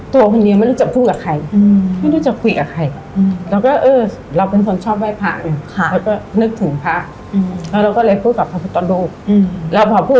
แต่เรามีตัวรู้สึกว่าสื่อที่เราให้กับท่าน